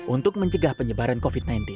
untuk mencegah penyebaran covid sembilan belas